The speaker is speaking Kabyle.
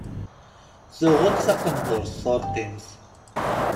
Tuɣ-d taqendurt turqimt.